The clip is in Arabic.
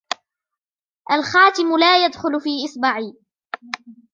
الخاتم لا يدخل في إصبعي.